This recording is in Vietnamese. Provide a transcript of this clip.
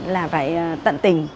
là phải tận tình